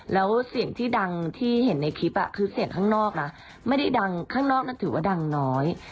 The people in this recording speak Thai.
แล้วเสียงที่ดังที่เห็นในคลิปคือเสียงข้างนอกนะไม่ได้ดังข้างนอกนั้นถือว่าดังน้อย